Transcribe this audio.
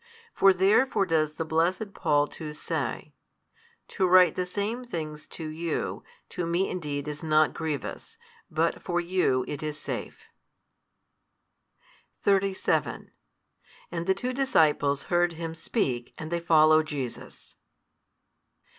For therefore does the blessed Paul too say, To write the same things to you, to me indeed is not grievous, but for you it is safe. 37 And the two disciples heard him speak, and they followed Jesus.